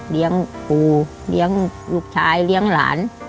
เลี้ยงปูเลี้ยงลูกชายเลี้ยงหลาน